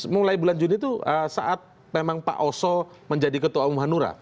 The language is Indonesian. mulai bulan juni itu saat memang pak oso menjadi ketua umum hanura